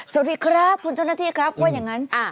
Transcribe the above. สวัสดีครับคุณเจ้าหน้าที่ครับว่าอย่างนั้น